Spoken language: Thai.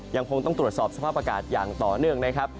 ยังคงต้องตรวจสอบสภาพอากาศอย่างต่อเนื่องนะครับ